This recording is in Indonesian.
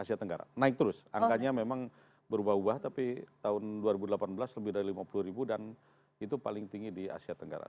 asia tenggara naik terus angkanya memang berubah ubah tapi tahun dua ribu delapan belas lebih dari lima puluh ribu dan itu paling tinggi di asia tenggara